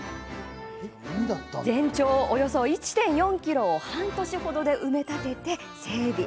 全長およそ１．４ｋｍを半年程で埋め立てて整備。